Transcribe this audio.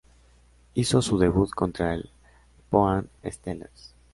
Hizo su debut contra el Pohang Steelers.